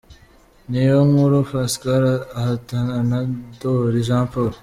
Niyonkuru Pascal ahatana na Ndoli Jean Paul.